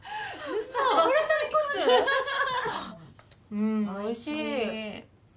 うんおいしい。